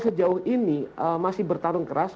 sejauh ini masih bertarung keras